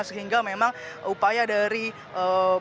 sehingga memang upaya dari pemadam kebakaran itu